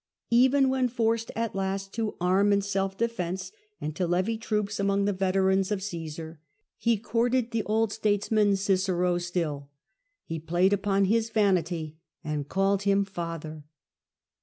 Even when forced at last to arm in self defence, and to levy troops among the veterans of Caesar, he courted the old statesman still ; he played upon his vanity, and called B.c. 44 31* Introductio7t, 3 him father.